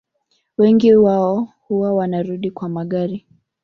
Wengi wao huwa wanarudi kwa magari